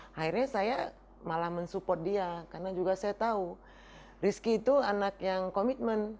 akhirnya saya malah mensupport dia karena juga saya tahu rizky itu anak yang komitmen